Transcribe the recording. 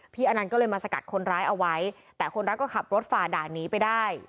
อนันต์ก็เลยมาสกัดคนร้ายเอาไว้แต่คนรักก็ขับรถฝ่าด่านหนีไปได้